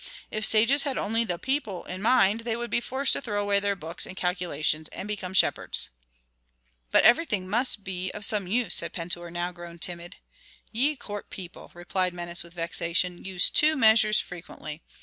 If sages had only the people in mind they would be forced to throw away their books and calculations and become shepherds." "But everything must be of some use," said Pentuer, now grown timid. "Ye court people," replied Menes with vexation, "use two measures frequently.